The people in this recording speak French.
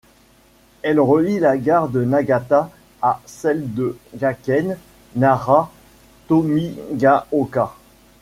Elle relie la gare de Nagata à celle de Gakken Nara-Tomigaoka.